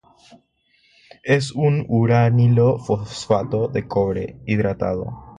Es un uranilo-fosfato de cobre, hidratado.